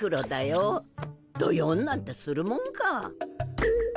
どよんなんてするもんか。